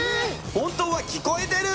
本当は聞こえてる！